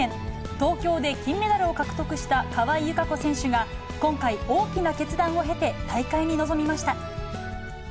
東京で金メダルを獲得した川井友香子選手が、今回、大きな決断を経て大会に臨みました。